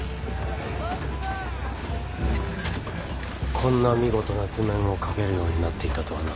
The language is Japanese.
こんな見事な図面を描けるようになっていたとはな。